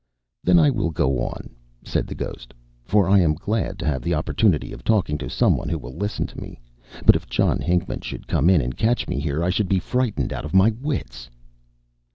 "Then I will go on," said the ghost, "for I am glad to have the opportunity of talking to someone who will listen to me; but if John Hinckman should come in and catch me here, I should be frightened out of my wits."